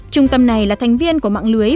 trung tâm này là thành viên của mạng lưới